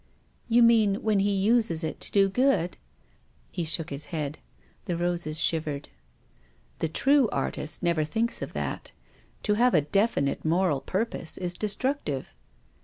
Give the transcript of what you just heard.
" You mean when he uses it to do good ?" He shook his head. The roses shivered. The true artist never thinks of that. To have a definite moral purpose is destructive."